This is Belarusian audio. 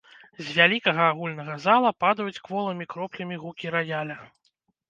З вялікага агульнага зала падаюць кволымі кроплямі гукі раяля.